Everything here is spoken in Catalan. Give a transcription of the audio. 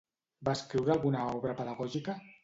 Va escriure alguna obra pedagògica?